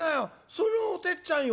そのおてっちゃんよ。